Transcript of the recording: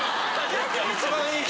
一番いい人。